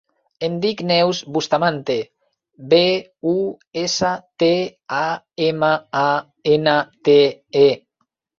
Em dic Neus Bustamante: be, u, essa, te, a, ema, a, ena, te, e.